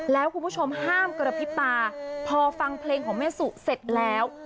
แล้วคุณผู้ชมห้ามกระพริบตาพอฟังเพลงของแม่สุเสร็จแล้ว